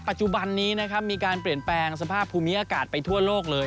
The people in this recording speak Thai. ปัจจุบันนี้นะครับมีการเปลี่ยนแปลงสภาพภูมิอากาศไปทั่วโลกเลย